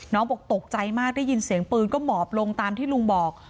บอกตกใจมากได้ยินเสียงปืนก็หมอบลงตามที่ลุงบอก